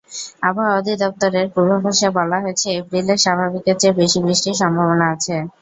আবহাওয়া অধিদপ্তরের পূর্বাভাসে বলা হয়েছে, এপ্রিলে স্বাভাবিকের চেয়ে বেশি বৃষ্টির সম্ভাবনা আছে।